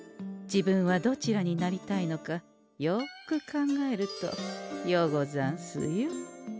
自分はどちらになりたいのかよく考えるとようござんすよ。